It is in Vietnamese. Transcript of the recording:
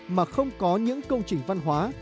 mà không có những công trình văn hóa